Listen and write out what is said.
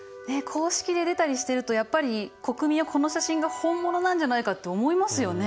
公式で出たりしてるとやっぱり国民はこの写真が本物なんじゃないかって思いますよね。